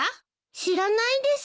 知らないです。